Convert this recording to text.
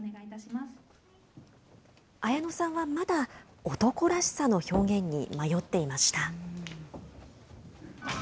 綾乃さんはまだ、男らしさの表現に迷っていました。